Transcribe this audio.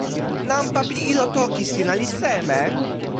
nanpa pi ilo toki sina li seme?